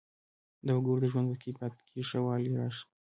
د وګړو د ژوند په کیفیت کې ښه والی راشي.